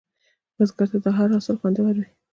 بزګر ته هره حاصل خوندور وي